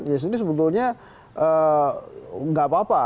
ya ini sebetulnya nggak apa apa